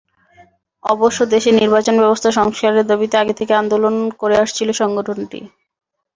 অবশ্য দেশের নির্বাচনব্যবস্থায় সংস্কারের দাবিতে আগে থেকেই আন্দোলন করে আসছিল সংগঠনটি।